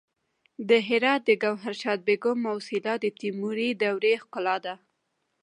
د هرات د ګوهرشاد بیګم موسیلا د تیموري دورې ښکلا ده